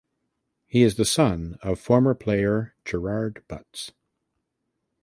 He is the son of former player Gerard Butts.